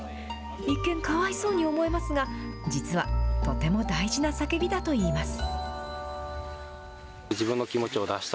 一見、かわいそうに思えますが、実はとても大事な叫びだといいます。